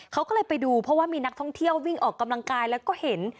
เขาก็เลยไปดูเพราะว่ามีนักท่องเที่ยววิ่งออกกำลังกายแล้วก็เห็น